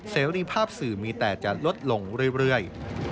เสรีภาพสื่อมีแต่จะลดลงเรื่อย